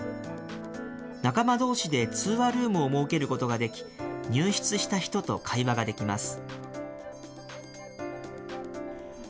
仲間どうしで通話ルームを設けることができ、入室した人と会話ができます。